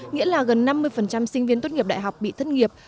nghĩa là gần năm mươi sinh viên tốt nghiệp đại học bị thất nghiệp